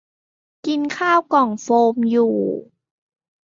กินข้าวกล่องโฟมอยู่